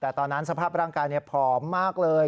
แต่ตอนนั้นสภาพร่างกายผอมมากเลย